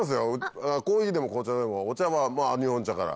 コーヒーでも紅茶でもお茶は日本茶から。